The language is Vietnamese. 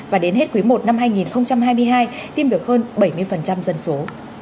và đến hết quý i năm hai nghìn hai mươi hai tìm được hơn bảy mươi dân số